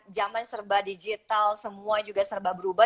zaman serba digital semua juga serba berubah